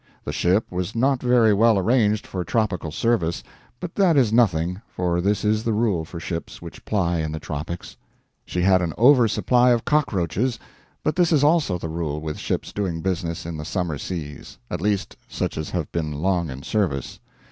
The ship was not very well arranged for tropical service; but that is nothing, for this is the rule for ships which ply in the tropics. She had an over supply of cockroaches, but this is also the rule with ships doing business in the summer seas at least such as have been long in service.